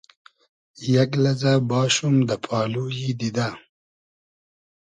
یئگ لئزۂ باشوم دۂ پالویی دیدۂ